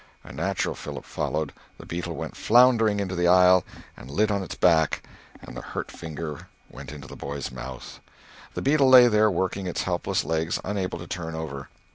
A natural fillip followed, the beetle went floundering into the aisle and lit on its back, and the hurt finger went into the boy's mouth. The beetle lay there working its helpless legs, unable to turn over.